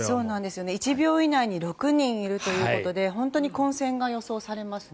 １秒以内に６人いるということで本当に混戦が予想されますね。